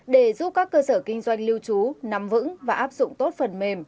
để giúp các cơ sở kinh doanh lưu trú nắm vững và áp dụng tốt phần mềm